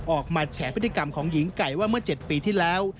แฉพฤติกรรมของหญิงไก่ว่าเมื่อ๗ปีที่แล้ว